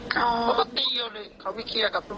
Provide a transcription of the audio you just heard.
เขาไปเคลียร์กับตำรวจ